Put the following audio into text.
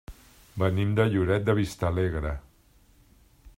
Venim de Lloret de Vistalegre.